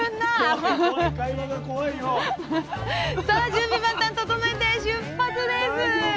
準備万端整えて出発です！